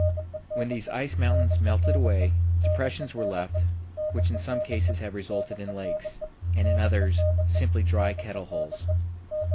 When these ice mountains melted away depressions were left which in some cases have resulted in lakes, and in others simply dry kettle holes.